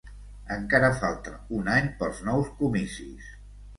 Encara falta un any pels nous comicis